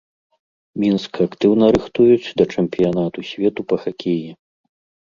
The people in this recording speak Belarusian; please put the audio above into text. Мінск актыўна рыхтуюць да чэмпіянату свету па хакеі.